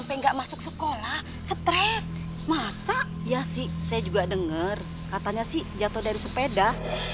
dengar katanya sih jatuh dari sepeda